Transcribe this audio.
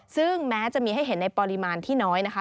ซึ่งแม้จะมีให้เห็นในปริมาณที่น้อยนะคะ